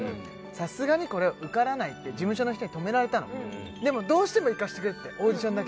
さすがに「これは受からない」って事務所の人に止められたのでも「どうしても行かせてくれオーディションだけでも」